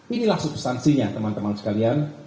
inilah substansinya teman teman sekalian